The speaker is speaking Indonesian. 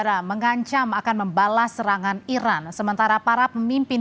dan mereka tidak memilih keputusan